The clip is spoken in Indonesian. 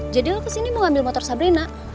jadi lo kesini mau ambil motor sabrina